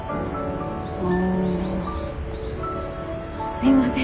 すいません。